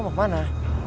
lo mau kemana